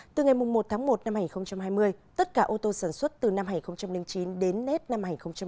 từ ngày một tháng một năm hai nghìn hai mươi tất cả ô tô sản xuất từ năm hai nghìn chín đến nét năm hai nghìn một mươi bảy